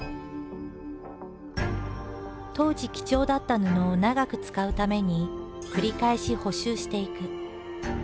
当時貴重だった布を長く使うために繰り返し補修していく。